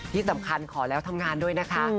ที่สำคัญขอแล้วทำงานด้วยนะคะ